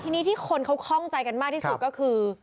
ทีนี้ที่คนเขาคล่องใจกันมากที่สุดก็คือ